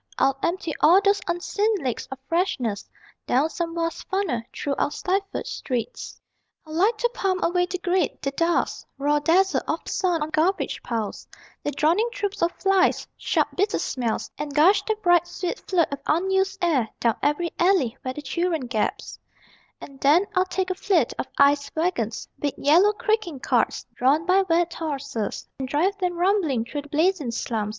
I'd empty all those unseen lakes of freshness Down some vast funnel, through our stifled streets. I'd like to pump away the grit, the dust, Raw dazzle of the sun on garbage piles, The droning troops of flies, sharp bitter smells, And gush that bright sweet flood of unused air Down every alley where the children gasp. And then I'd take a fleet of ice wagons Big yellow creaking carts, drawn by wet horses, And drive them rumbling through the blazing slums.